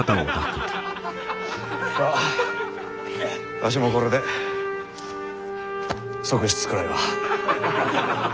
わしもこれで側室くらいは。